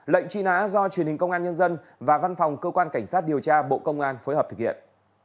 lệnh truy nã do truyền hình công an nhân dân và văn phòng cơ quan cảnh sát điều tra bộ công an phối hợp thực hiện